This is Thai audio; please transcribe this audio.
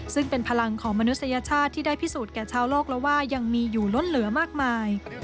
ซึ่งเป็นพลังของมนุษยชาติที่ได้พิสูจนแก่ชาวโลกแล้วว่ายังมีอยู่ล้นเหลือมากมาย